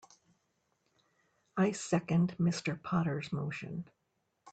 I second Mr. Potter's motion.